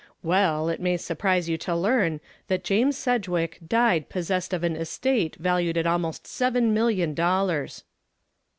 Well, it may surprise you to learn that James Sedgwick died possessed of an estate valued at almost seven million dollars."